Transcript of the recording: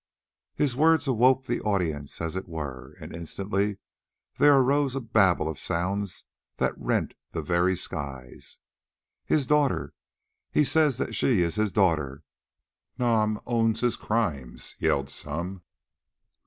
His words awoke the audience as it were, and instantly there arose a babel of sounds that rent the very skies. "His daughter! He says that she is his daughter! Nam owns his crimes!" yelled some.